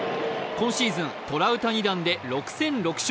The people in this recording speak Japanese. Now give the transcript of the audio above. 今シーズン、トラウタニ弾で６戦６勝。